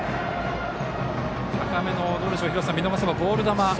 高めの、見逃せばボール球。